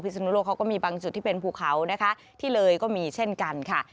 สุนุโลกเขาก็มีบางจุดที่เป็นภูเขานะคะที่เลยก็มีเช่นกันค่ะ